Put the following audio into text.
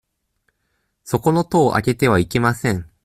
そこの戸を開けてはいけません。